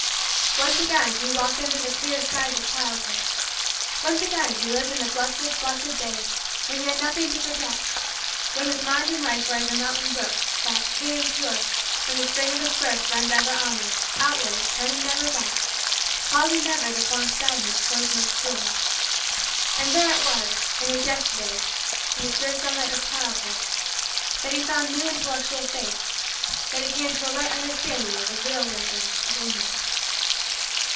Once again, he walked under the clear skies of childhood. Once again, he lived in the blessed, blessed, days when he had nothing to forget when his mind and life were as a mountain brook that, clear and pure, from the spring of its birth runs ever onward, outward, turning never back, pausing never to form stagnant, poisonous, pools. And there it was in his Yesterdays in the pure sunlight of childhood that he found new intellectual faith that he came to a right understanding of the real wisdom of Ignorance.